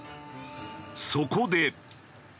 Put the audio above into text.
そこで。